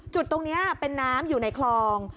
จุดตรงนี้เป็นน้ำอยู่ในคลอง